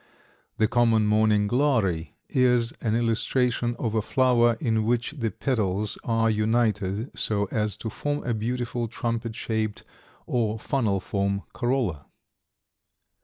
The common morning glory is an illustration of a flower in which the petals are united so as to form a beautiful trumpet shaped or funnel form corolla.